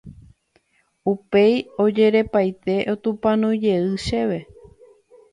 upéi ojerepaite otupãnói jey chéve.